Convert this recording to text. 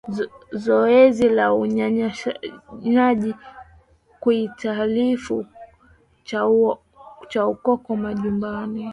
Zoezi la Unyunyiziaji Kiuatilifu cha Ukoko Majumbani